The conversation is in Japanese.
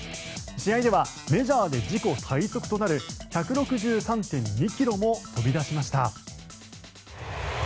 試合ではメジャーで自己最速となる１６３．２ｋｍも飛び出しました。